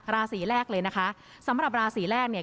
ราศีแรกเลยนะคะสำหรับราศีแรกเนี่ย